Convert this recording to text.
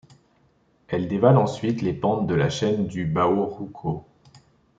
Elle dévale ensuite les pentes de la chaîne de Baoruco.